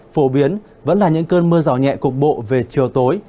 phổ biến vẫn là những cơn mưa rào nhẹ cục bộ về chiều tối